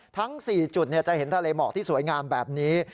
ทั้ง๔จุดจะเห็นทะเลหมอกที่สวยงามแบบนี้